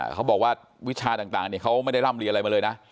เขาบอกว่าวิชาต่างเขาไม่ได้ร่ำเรียนอะไรมาเลยนะ